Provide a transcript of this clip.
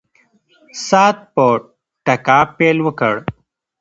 ساعت په ټکا پیل وکړ.